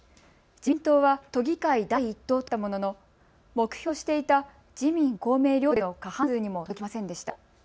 自民党は都議会第１党となったものの目標としていた自民公明両党での過半数にも届きませんでした。